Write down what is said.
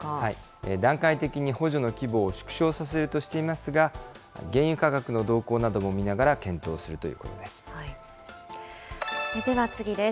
段階的に補助の規模を縮小させるとしていますが、原油価格の動向なども見ながら検討するということです。